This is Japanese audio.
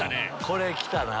これ来たな。